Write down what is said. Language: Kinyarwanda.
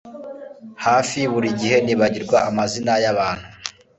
hafi Buri gihe nibagirwa amazina yabantu